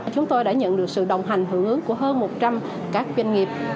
chúng tôi đã nhận được sự đồng hành hưởng ứng của hơn một trăm linh các doanh nghiệp